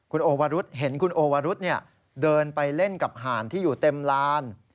คุณโอวรุษเห็นคุณโอวรุธเดินไปเล่นกับห่านที่อยู่เต็มลาน